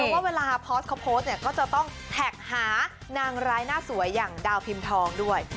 ว่าเวลาพอสเขาโพสต์เนี่ยก็จะต้องแท็กหานางร้ายหน้าสวยอย่างดาวพิมพ์ทองด้วย